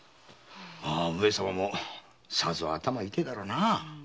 上様もさぞ頭が痛えだろうな。